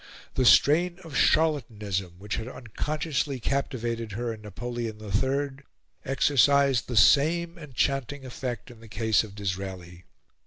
The strain of charlatanism, which had unconsciously captivated her in Napoleon III, exercised the same enchanting effect in the case of Disraeli.